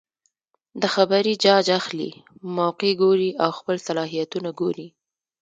د خبرې جاج اخلي ،موقع ګوري او خپل صلاحيتونه ګوري